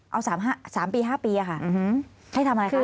เอา๓ปี๕ปีค่ะให้ทำอะไรคะ